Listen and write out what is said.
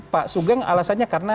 pak sugeng alasannya karena